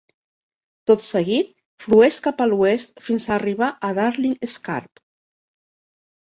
Tot seguit flueix cap a l'oest fins a arribar a Darling Scarp.